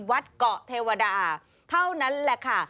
วัดเกาะเทวดาเท่านั้นแหละค่ะ